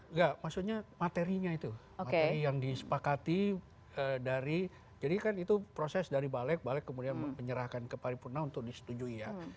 enggak maksudnya materinya itu materi yang disepakati dari jadi kan itu proses dari balik balik kemudian menyerahkan ke paripurna untuk disetujui ya